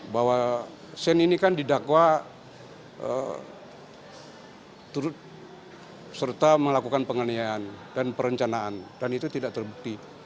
bahwa shane ini kan didakwa turut serta melakukan penganiayaan dan perencanaan dan itu tidak terbukti